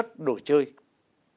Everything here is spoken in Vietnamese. trong những hệ thống này